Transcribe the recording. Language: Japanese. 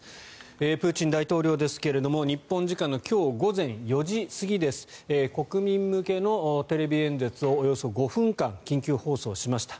プーチン大統領ですが日本時間の今日午前４時過ぎ国民向けのテレビ演説をおよそ５分間緊急放送しました。